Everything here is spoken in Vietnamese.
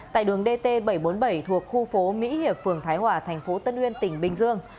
tại đường dt bảy trăm bốn mươi bảy thuộc khu phố mỹ hiệp phường thái hòa thành phố tân uyên tỉnh bình dương